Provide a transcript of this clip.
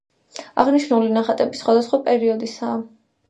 აღნიშნული ნახატები სხვადასხვა პერიოდისაა.